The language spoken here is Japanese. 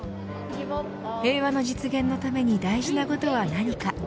平和の実現のために大事なことは何か。